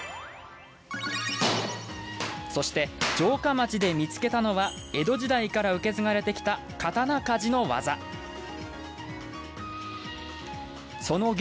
そして、城下町で見つけたのは江戸時代から受け継がれてきた刀鍛冶の技。